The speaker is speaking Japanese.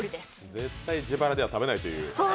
絶対、自腹では食べないという。